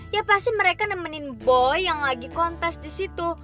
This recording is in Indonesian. ya pasti mereka nemenin boy yang lagi kontes disini